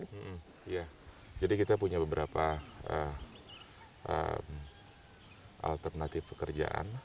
iya jadi kita punya beberapa alternatif pekerjaan